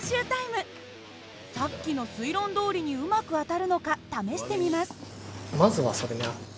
さっきの推論どおりにうまく当たるのか試してみます。